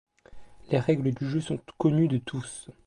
Les règles du jeu sont connues de tous.